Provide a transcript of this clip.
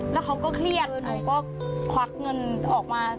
แล้วเขาก็เครียดหนูก็ควักเงินออกมา